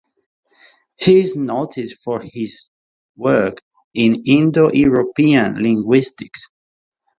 He is noted for his work in Indo-European linguistics.